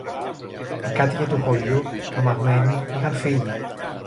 Οι κάτοικοι του χωριού, τρομαγμένοι, είχαν φύγει